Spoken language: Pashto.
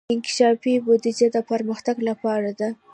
انکشافي بودجه د پرمختګ لپاره ده